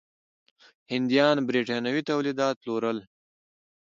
هندیان برېټانوي تولیدات پلورل.